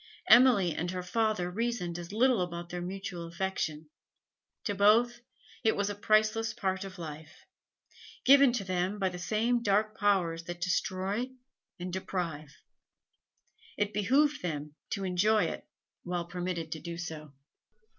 Emily and her father reasoned as little about their mutual affection; to both it was a priceless part of life, given to them by the same dark powers that destroy and deprive. It behoved them to enjoy it while permitted to do so.